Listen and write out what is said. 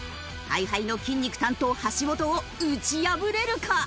ＨｉＨｉの筋肉担当橋本を打ち破れるか？